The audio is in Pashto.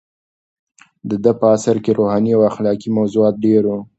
د ده په عصر کې روحاني او اخلاقي موضوعات ډېر وو.